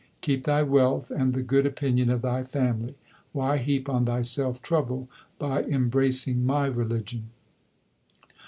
Keep thy wealth, and the good opinion of thy family. Why heap on thyself trouble by embracing my religion